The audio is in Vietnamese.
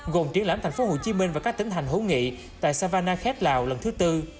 gồm triển lãm tp hcm và các tỉnh hành hữu nghị tại savannah khét lào lần thứ tư